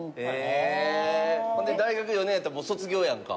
ほんで大学４年やったらもう卒業やんか。